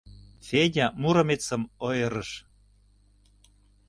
Федя Муромецым ойырыш.